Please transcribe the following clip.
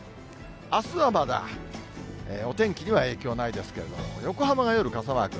あすはまだお天気には影響ないですけれども、横浜が夜、傘マーク。